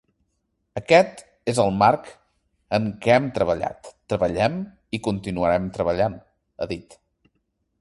“Aquest és el marc en què hem treballat, treballem i continuarem treballant”, ha dit.